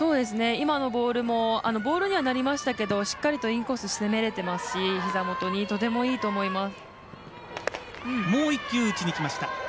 今のボールもボールにはなりましたけどしっかりとインコース攻められていますしひざ元に本当にいいと思います。